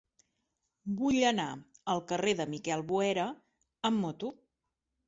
Vull anar al carrer de Miquel Boera amb moto.